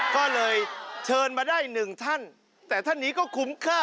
ก็เลยเชิญมาได้หนึ่งท่านแต่ท่านนี้ก็คุ้มค่า